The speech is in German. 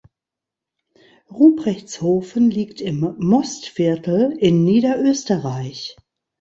Ruprechtshofen liegt im Mostviertel in Niederösterreich.